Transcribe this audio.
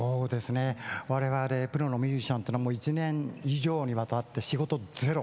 われわれプロのミュージシャンっていうのは１年以上にわたって仕事ゼロ。